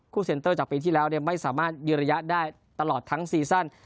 เซ็นเตอร์จากปีที่แล้วไม่สามารถยืนระยะได้ตลอดทั้งซีซั่น